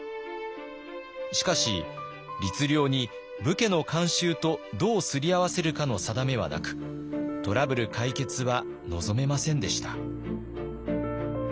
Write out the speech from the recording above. しかし律令に武家の慣習とどうすり合わせるかの定めはなくトラブル解決は望めませんでした。